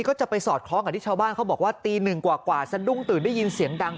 ก็จะไปสอดคล้องกับที่ชาวบ้านเขาบอกว่าตีหนึ่งกว่าสะดุ้งตื่นได้ยินเสียงดัง